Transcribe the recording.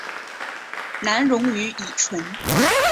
难溶于乙醇。